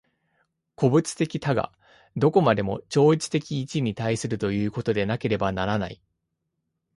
個物的多が何処までも超越的一に対するということでなければならない。